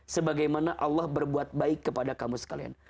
sebagaimana allah berbuat baik kepada kamu sekalian